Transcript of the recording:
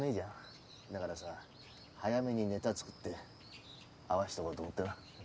だからさ早めにネタ作って合わせておこうと思ってな。